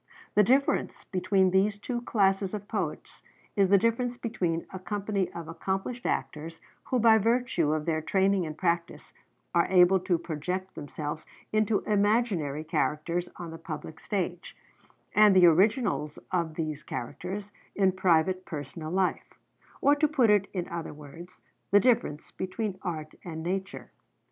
The difference between these two classes of poets is the difference between a company of accomplished actors, who by virtue of their training and practice are able to project themselves into imaginary characters on the public stage, and the originals of these characters in private personal life; or to put it in other words, the difference between art and nature.